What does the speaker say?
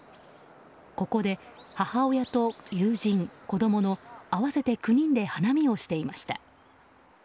ここで母親と友人、子供の合わせて９人で花見をしていました。